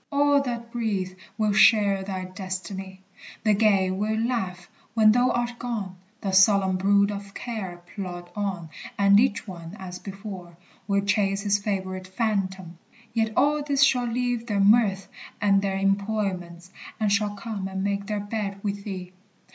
All that breathe Will share thy destiny. The gay will laugh When thou art gone, the solemn brood of care Plod on, and each one, as before, will chase His favorite phantom; yet all these shall leave Their mirth and their employments, and shall come And make their bed with thee.